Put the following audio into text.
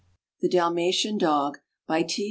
THE DALMATIAN DOG. BY T.